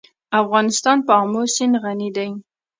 افغانستان په آمو سیند غني دی.